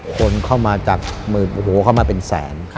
คนเข้ามาจากหมื่นโอ้โหเข้ามาเป็นแสน